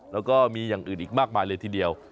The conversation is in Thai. แล้วก็มีอย่างอื่นอีกมากมายเลยทีเดียว